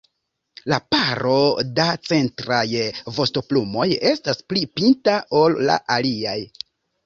La paro da centraj vostoplumoj estas pli pinta ol la aliaj.